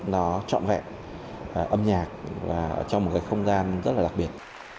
nó trọn vẹn âm nhạc trong một cái không gian rất là đặc biệt